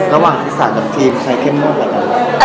ระหว่างที่สามารถกับทีมใครเข้มมวดกว่ากัน